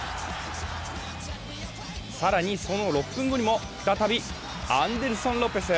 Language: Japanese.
更にその６分後にも再びアンデルソン・ロペス。